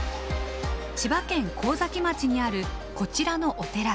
神崎町にあるこちらのお寺。